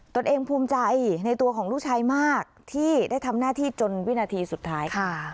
ตัวเองภูมิใจในตัวของลูกชายมากที่ได้ทำหน้าที่จนวินาทีสุดท้าย